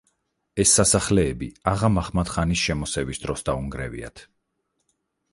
ეს სასახლეები აღა-მაჰმად-ხანის შემოსევის დროს დაუნგრევიათ.